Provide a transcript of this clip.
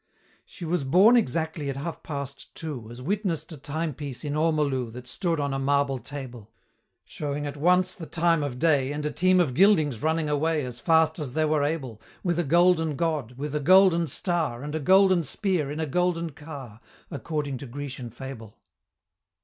She was born exactly at half past two, As witness'd a timepiece in ormolu That stood on a marble table Showing at once the time of day, And a team of Gildings running away As fast as they were able, With a golden God, with a golden Star, And a golden Spear, in a golden Car, According to Grecian fable.